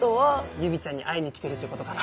ゆみちゃんに会いに来てるってことかな？